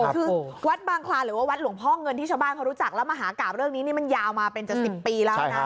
คือวัดบางคลานหรือว่าวัดหลวงพ่อเงินที่ชาวบ้านเขารู้จักแล้วมหากราบเรื่องนี้นี่มันยาวมาเป็นจะ๑๐ปีแล้วนะ